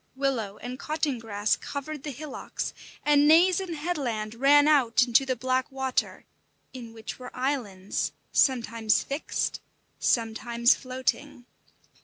Willow and cotton grass covered the hillocks, and naze and headland ran out into the black water, in which were islands, sometimes fixed, sometimes floating.